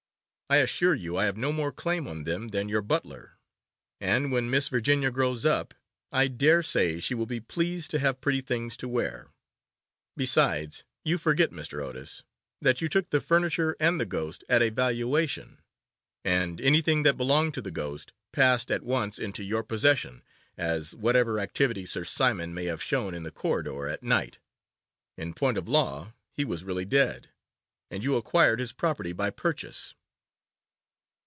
I assure you I have no more claim on them than your butler, and when Miss Virginia grows up I daresay she will be pleased to have pretty things to wear. Besides, you forget, Mr. Otis, that you took the furniture and the ghost at a valuation, and anything that belonged to the ghost passed at once into your possession, as, whatever activity Sir Simon may have shown in the corridor at night, in point of law he was really dead, and you acquired his property by purchase.